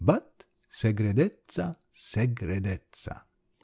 But _segredezza! segredezza!